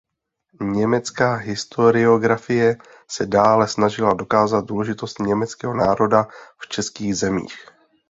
Německá historiografie se dále snažila dokázat důležitost německého národa v českých zemích.